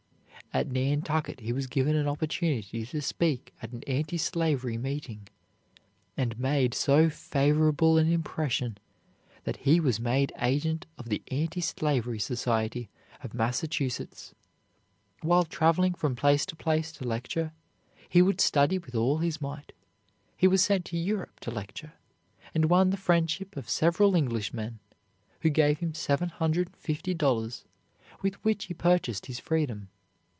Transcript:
At Nantucket he was given an opportunity to speak at an anti slavery meeting, and made so favorable an impression that he was made agent of the Anti Slavery Society of Massachusetts. While traveling from place to place to lecture, he would study with all his might. He was sent to Europe to lecture, and won the friendship of several Englishmen, who gave him $750, with which he purchased his freedom.